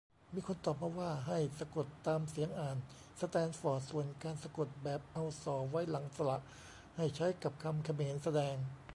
มีคนตอบมาว่า ให้สะกดตามเสียงอ่าน สแตนฟอร์ด ส่วนการสะกดแบบเอา ส ไว้ หลังสระ ให้ใช้กับคำเขมร แสดง